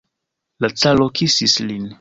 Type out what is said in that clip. La caro kisis lin.